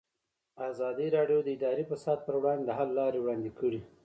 ازادي راډیو د اداري فساد پر وړاندې د حل لارې وړاندې کړي.